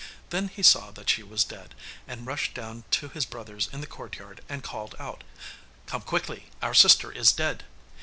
Then he saw that she was dead, and rushed down to his brothers in the courtyard and called out, 'Come quickly, our sister is dead!